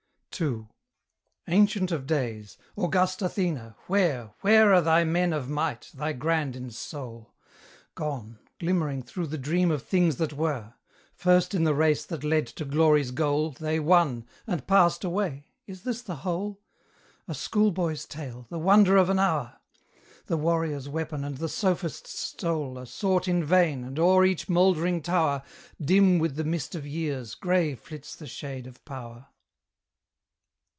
II. Ancient of days! august Athena! where, Where are thy men of might, thy grand in soul? Gone glimmering through the dream of things that were: First in the race that led to Glory's goal, They won, and passed away is this the whole? A schoolboy's tale, the wonder of an hour! The warrior's weapon and the sophist's stole Are sought in vain, and o'er each mouldering tower, Dim with the mist of years, grey flits the shade of power.